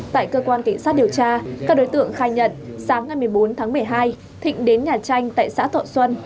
tại cơ quan cảnh sát điều tra các đối tượng khai nhận sáng ngày một mươi bốn tháng một mươi hai thịnh đến nhà tranh tại xã thọ xuân